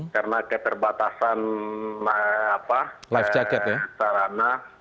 karena keperbatasan sarana